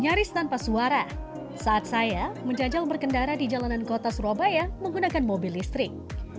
nyaris tanpa suara saat saya menjajal berkendara di jalanan kota surabaya menggunakan mobil listrik